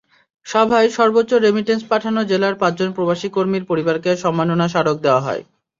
সভায় সর্বোচ্চ রেমিট্যান্স পাঠানো জেলার পাঁচজন প্রবাসী কর্মীর পরিবারকে সম্মাননা স্মারক দেওয়া হয়।